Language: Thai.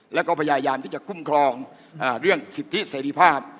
แล้วก็พยายามที่จะคุ้มครองเรื่องสิทธิเสรีภาพ